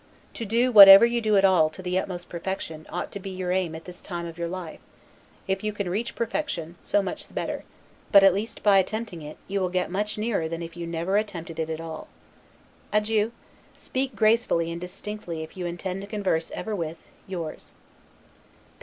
To do whatever you do at all to the utmost perfection, ought to be your aim at this time of your life; if you can reach perfection, so much the better; but at least, by attempting it, you will get much nearer than if you never attempted it at all. Adieu! SPEAK GRACEFULLY AND DISTINCTLY if you intend to converse ever with, Yours.